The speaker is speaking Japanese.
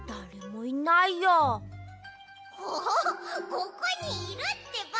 ここにいるってば！